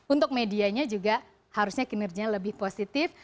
untuk medianya juga harusnya kinerja lebih positif